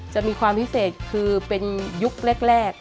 จะมีความพิเศษคือเป็นยุคแรก